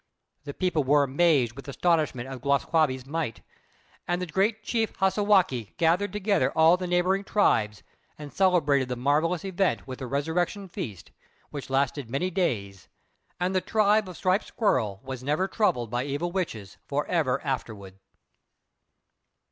The people were amazed with astonishment at Glūs kābé's might; and the great Chief Hassagwākq' gathered together all the neighboring tribes and celebrated the marvellous event with the resurrection feast, which lasted many days, and the tribe of Striped Squirrel was never troubled by evil witches forever afterward.